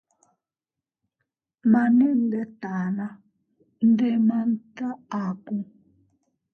Mane ne ndetana, ndemanta aku.